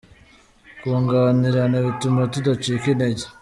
kunganirana bituma tudacika intege.